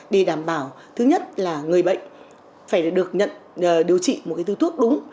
để đảm bảo thứ nhất là người bệnh phải được nhận điều trị một tư thuốc đúng